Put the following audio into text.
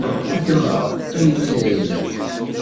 Ddem-aɣ, ad nili d ayla-k.